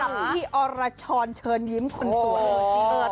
รำที่อรชรเชิญยิ้มคนสวย